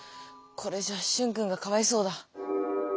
これじゃシュンくんがかわいそうだ。